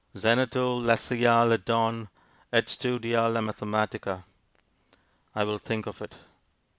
Zanetto, lascia le donne, et studia la matematica. I will think of it.